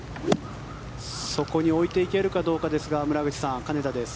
そこに置いていけるかどうかですが村口さん、金田です。